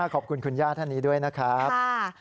ขอบคุณคุณย่าท่านนี้ด้วยนะครับ